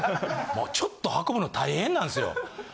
ちょっと運ぶの大変なんすよ。